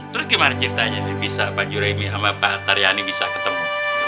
terus gimana ceritanya nih bisa pak juraimi sama pak taryani bisa ketemu